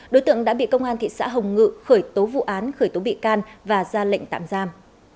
đối tượng đã bị công an thị xã hồng ngự khởi tố vụ án khởi tố bị can và ra lệnh tạm giam